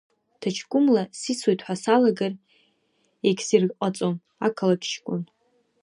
Ҭаҷкәымла сисуеит ҳәа салагар егьсирҟаҵом, ақалақь ҷкәын…